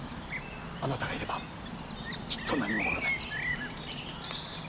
あなたがいればきっと何も起こらない。